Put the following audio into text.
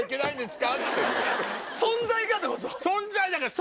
存在がってこと？